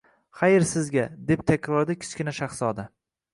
— Xayr sizga, — deb takrorladi Kichkina shahzoda.